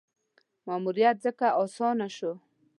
ماموریت ځکه اسانه شو.